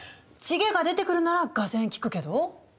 チゲが出てくるならがぜん聞くけど。